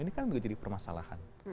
ini kan juga jadi permasalahan